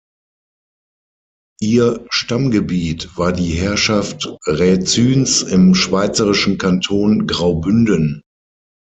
Ihre Stammgebiet war die Herrschaft Rhäzüns im schweizerischen Kanton Graubünden.